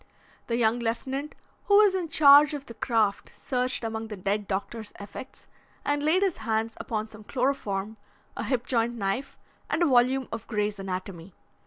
The young lieutenant who was in charge of the craft searched among the dead doctor's effects and laid his hands upon some chloroform, a hip joint knife, and a volume of Grey's Anatomy.